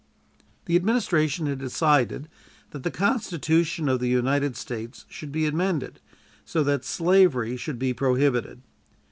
The administration had decided that the Constitution of the United States should be amended so that slavery should be prohibited.